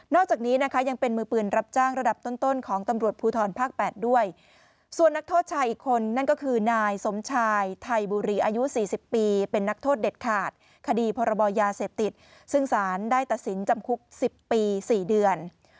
จากนี้นะคะยังเป็นมือปืนรับจ้างระดับต้นของตำรวจภูทรภาค๘ด้วยส่วนนักโทษชายอีกคนนั่นก็คือนายสมชายไทยบุรีอายุ๔๐ปีเป็นนักโทษเด็ดขาดคดีพรบยาเสพติดซึ่งสารได้ตัดสินจำคุก๑๐ปี๔เดือน